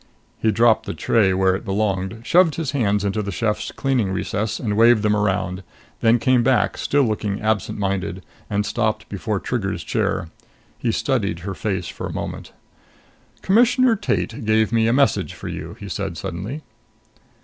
He dropped the tray where it belonged, shoved his hands into the chef's cleaning recess and waved them around, then came back, still looking absent minded, and stopped before Trigger's chair. He studied her face for a moment. "Commissioner Tate gave me a message for you," he said suddenly.